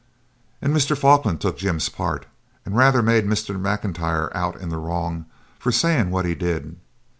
And Mr. Falkland took Jim's part, and rather made Mr. M'Intyre out in the wrong for saying what he did.